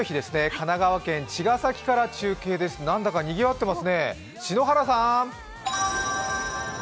神奈川県茅ヶ崎から中継ですなんだかにぎわっていますね、篠原さん。